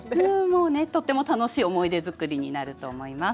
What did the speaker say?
もうねとっても楽しい思い出づくりになると思います。